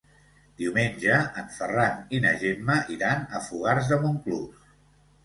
Diumenge en Ferran i na Gemma iran a Fogars de Montclús.